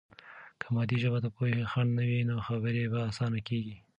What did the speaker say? که مادي ژبه د پوهې خنډ نه وي، نو خبرې به آسانه کیږي.